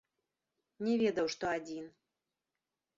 Не ведаў, што адзін.